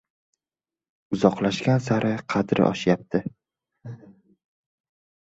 Uzoqlashgan sari qadri oshyapti.